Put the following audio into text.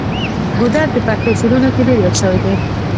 ګودر د پښتو شعرونو کې ډیر یاد شوی دی.